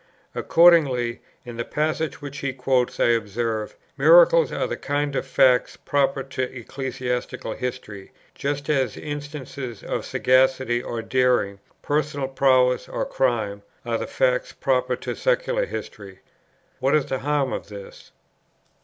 Accordingly, in the passage which he quotes, I observe, "Miracles are the kind of facts proper to ecclesiastical history, just as instances of sagacity or daring, personal prowess, or crime, are the facts proper to secular history." What is the harm of this?